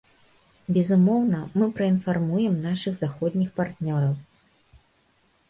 Безумоўна, мы праінфармуем нашых заходніх партнёраў.